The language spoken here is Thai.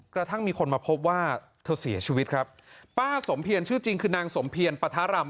กระทั่งมีคนมาพบว่าเธอเสียชีวิตครับป้าสมเพียรชื่อจริงคือนางสมเพียรปะทะรำ